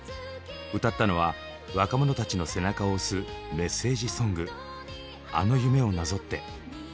歌ったのは若者たちの背中を押すメッセージソング「あの夢をなぞって」。